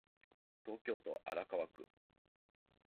東京都荒川区